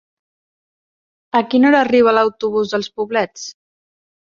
A quina hora arriba l'autobús dels Poblets?